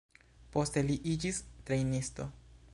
Poste li iĝis trejnisto.